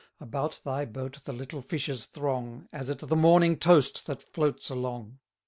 About thy boat the little fishes throng, As at the morning toast that floats along.